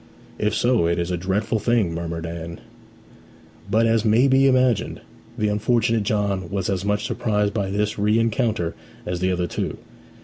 'If so, it is a dreadful thing!' murmured Anne. But, as may be imagined, the unfortunate John was as much surprised by this rencounter as the other two.